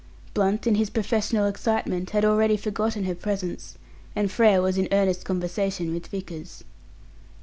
Blunt, in his professional excitement, had already forgotten her presence, and Frere was in earnest conversation with Vickers.